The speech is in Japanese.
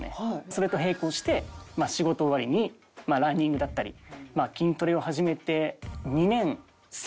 それと並行して仕事終わりにランニングだったり筋トレを始めて。